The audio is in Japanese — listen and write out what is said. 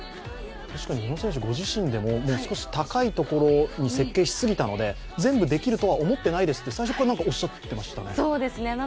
確かに宇野選手、ご自身でも少し高いところに設計しすぎたので全部できるとは思っていないですと最初からおっしゃっていましたね。